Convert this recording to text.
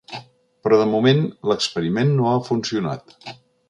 Però, de moment, l'experiment no ha funcionat.